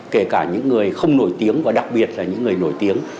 kể cả những người không nổi tiếng và đặc biệt là những người nổi tiếng